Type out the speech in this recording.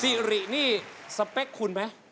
สิรินี่สเปคคุณไหม